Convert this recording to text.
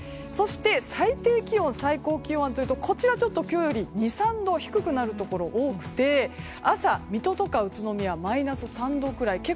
そして、最低気温、最高気温はこちらちょっと今日より２３度低くなるところが多くて朝、水戸とか宇都宮はマイナス３度ぐらい。